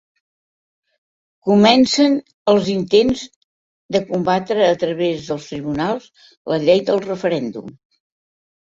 Comencen els intents de combatre a través dels tribunals la llei del referèndum.